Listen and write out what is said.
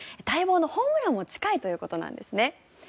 待望のホームランも近いということなんですね。